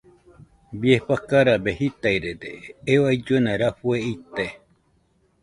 Bie fakarabe jitairede eo ailluena rafue ite.